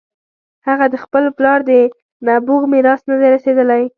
هغه د خپل پلار د نبوغ میراث نه دی رسېدلی.